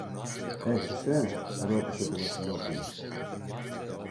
Έρχεσαι; ρώτησε το Βασιλόπουλο.